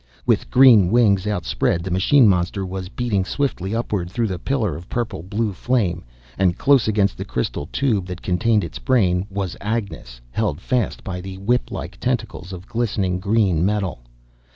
With green wings outspread, the machine monster was beating swiftly upward through the pillar of purple blue flame. And close against the crystal tube that contained its brain, was Agnes, held fast by the whip like tentacles of glistening green metal.